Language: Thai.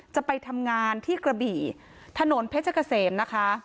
จะไปทำงานที่กระบี่ถนนเพชรเกษมนะคะ